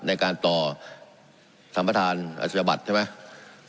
ในการต่อสามทานอาชีพบัติใช่ไหม